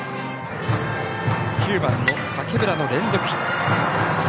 ９番の竹村の連続ヒット。